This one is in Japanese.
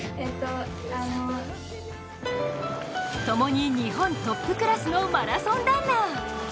ともに日本トップクラスのマラソンランナー。